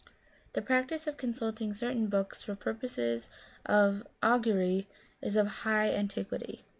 The practice of consulting certain books for pur poses of augury is of high antiquity.